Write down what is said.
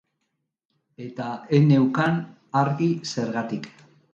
Eta ez neukan argi zergatik.